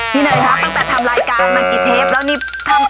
พี่เหนื่อยค่ะตั้งแต่ทำรายการมาจากกี่เทป